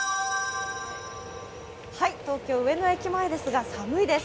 東京・上野駅前ですが寒いです。